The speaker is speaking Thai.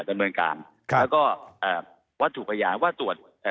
ดันเมืองกลางครับแล้วก็เอ่อวัตถุประยานว่าตรวจเอ่อ